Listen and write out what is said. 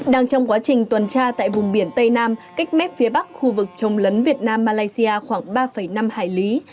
đang trong quá trình tuần tra tại vùng biển tây nam cách mép phía bắc khu vực trồng lấn việt nam malaysia khoảng ba năm hải lý